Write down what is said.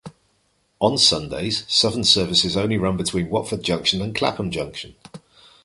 On Sundays, Southern services only run between Watford Junction and Clapham Junction.